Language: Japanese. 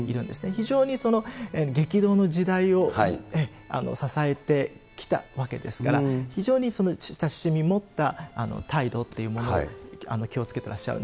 非常に激動の時代を支えてきたわけですから、非常に親しみ持った態度というものに気をつけてらっしゃる。